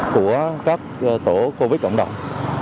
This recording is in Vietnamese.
của các tổ covid cộng đồng